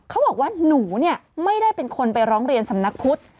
เขาบอกว่าหนูเนี่ยไม่ได้เป็นคนไปร้องเรียนสำนักพุทธ